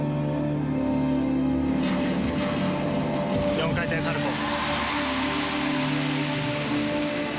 ４回転サルコー。